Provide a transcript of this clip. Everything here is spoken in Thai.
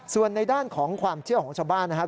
ส่วนในด้านของความเชื่อของชาวบ้านนะครับ